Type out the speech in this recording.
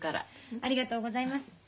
ありがとうございます。